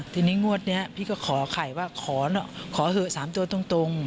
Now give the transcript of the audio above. ทีนี้งวดนี้พี่ก็ขอไข่ว่าขอเหอะ๓ตัวตรง